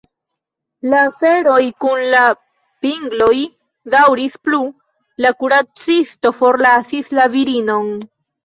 La aferoj kun la pingloj daŭris plu, la kuracisto forlasis la virinon.